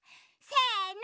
せの！